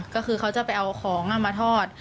ก็คือเขาจะไปเอาของมาทอด